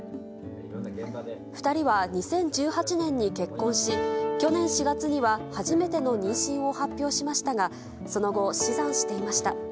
２人は２０１８年に結婚し、去年４月には初めての妊娠を発表しましたが、その後、死産していました。